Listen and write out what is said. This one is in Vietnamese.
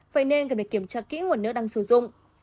vậy nên cần phải kiểm tra kỹ nguồn nước đang sử dụng